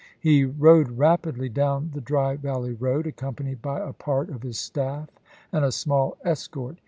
He rode rapidly down the Dry Valley road, accompanied by a part of his staff and a small escort.